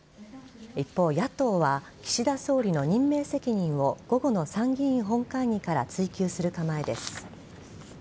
一方野党は岸田総理の任命責任を午後の参議院本会議から追及する構えです。